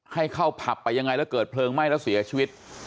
ให้เข้าผับไปยังไงแล้วเกิดเพลิงไหม้แล้วเสียชีวิต